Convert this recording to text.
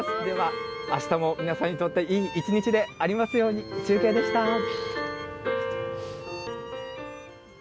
ではあしたも皆さんにとっていい一日でありますように、中継でした。